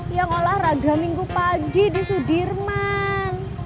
yang olahraga minggu pagi di sudirman